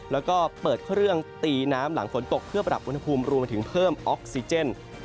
แล้วก็เปิดเครื่องตีน้ำหลังฝนตกเพื่อปรับอุณหภูมิรวมไปถึงเพิ่มออกซิเจน